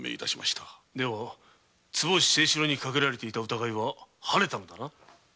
では坪内精四郎にかけられていた疑いは晴れたのだな。